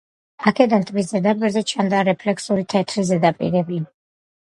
აქედან ტბის ზედაპირზე ჩნდება რეფლექსური თეთრი ზედაპირები.